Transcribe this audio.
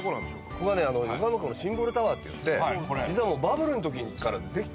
ここはね横浜港のシンボルタワーっていって実はもうバブルの時からできてたの。